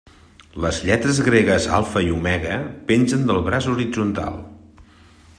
Les lletres gregues alfa i omega pengen del braç horitzontal.